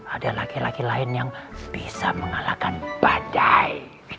ada laki laki lain yang bisa mengalahkan badai